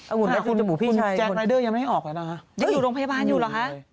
อ่ะคุณแจ๊กไลเดอร์ยังไม่ให้ออกแล้วนะฮะอยู่โรงพยาบาลอยู่หรือคะ